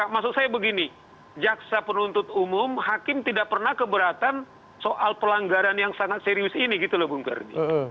maksud saya begini jaksa penuntut umum hakim tidak pernah keberatan soal pelanggaran yang sangat serius ini gitu loh bung karni